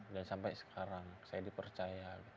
dan sampai sekarang saya dipercaya gitu